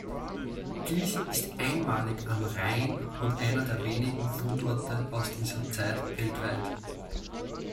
Dies ist einmalig am Rhein und einer der wenigen Fundorte aus dieser Zeit weltweit.